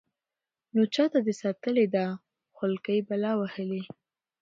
نو چاته دې ساتلې ده خولكۍ بلا وهلې.